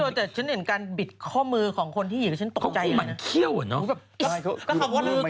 โอ๊ยเดี๋ยวแต่เจ้าคุณเห็นการบิดข้อมือของคนที่เหยียบ